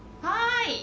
はい！